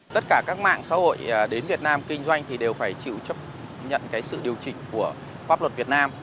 tất cả các mạng xã hội đến việt nam kinh doanh thì đều phải chịu chấp nhận sự điều chỉnh của pháp luật việt nam